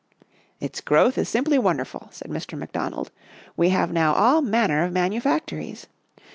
11 Its growth is simply wonderful," said Mr. McDonald. " We have now all manner of manufactories.